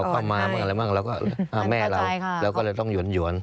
เราเข้ามาอะไรบ้างแล้วก็แม่เราแล้วก็เลยต้องหยวน